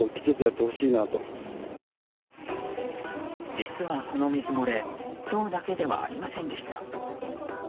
実は、この水漏れ今日だけではありませんでした。